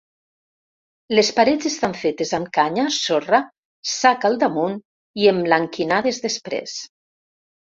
Les parets estan fetes amb canya, sorra, sac al damunt i emblanquinades després.